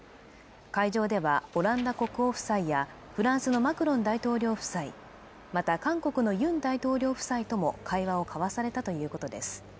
会場ではオランダ国王夫妻やフランスのマクロン大統領夫妻また韓国のユン大統領夫妻とも会話を交わされたということです